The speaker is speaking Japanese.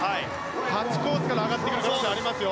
８コースから上がってくる可能性ありますよ。